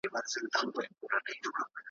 نیکه ویله چي کوی ښه کار `